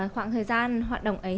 khoảng thời gian hoạt động ấy